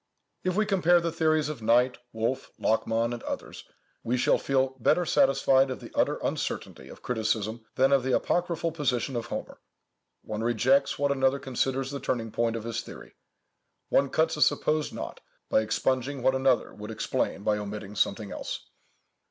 If we compare the theories of Knight, Wolf, Lachmann, and others, we shall feel better satisfied of the utter uncertainty of criticism than of the apocryphal position of Homer. One rejects what another considers the turning point of his theory. One cuts a supposed knot by expunging what another would explain by omitting something else.